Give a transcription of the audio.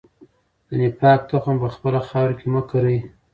د نفاق تخم په خپله خاوره کې مه کرئ.